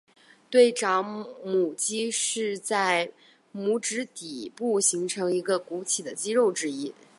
对掌拇肌是在拇指底部形成一个鼓起的肌肉之一。